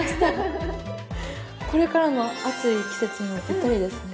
これからの暑い季節にもぴったりですね。